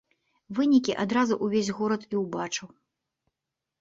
Вынікі адразу ўвесь горад і ўбачыў.